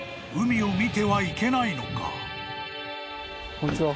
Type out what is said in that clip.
こんにちは。